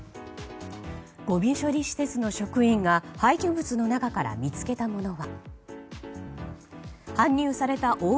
ごみ処理施設の職員が廃棄物の中から見つけたものは。